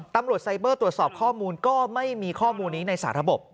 ไซเบอร์ตรวจสอบข้อมูลก็ไม่มีข้อมูลนี้ในสาระบบ